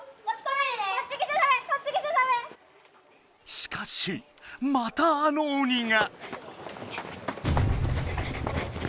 しかしまたあの鬼が。